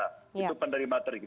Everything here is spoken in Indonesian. itu penerimaan tertinggi